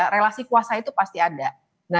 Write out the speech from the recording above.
relasi kuasa itu pasti ada